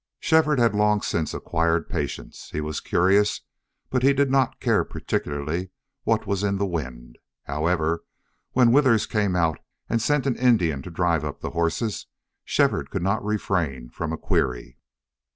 Shefford had long since acquired patience. He was curious, but he did not care particularly what was in the wind. However, when Withers came out and sent an Indian to drive up the horses Shefford could not refrain from a query.